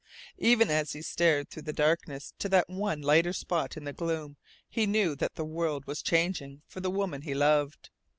Even as he stared through the darkness to that one lighter spot in the gloom he knew that the world was changing for the woman he loved.